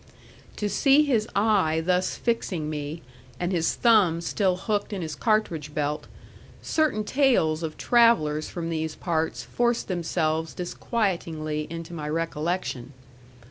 To see his eye thus fixing me and his thumb still hooked in his cartridge belt, certain tales of travellers from these parts forced themselves disquietingly into my recollection.